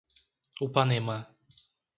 Upanema